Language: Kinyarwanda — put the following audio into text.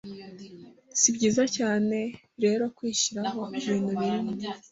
Si byiza cyane rero kwishyiraho ibintu bindi